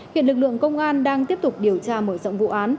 hiện lực lượng công an đang tiếp tục điều tra mở rộng vụ án